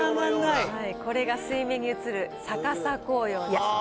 これが水面に映る逆さ紅葉ですね。